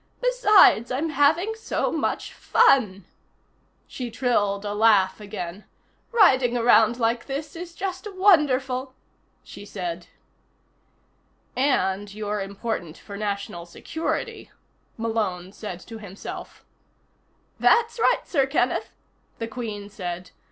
Besides, I'm having so much fun!" She trilled a laugh again. "Riding around like this is just wonderful!" she said. And you're important for national security, Malone said to himself. "That's right, Sir Kenneth," the Queen said.